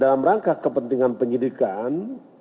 dalam rangka kepentingan penyidikan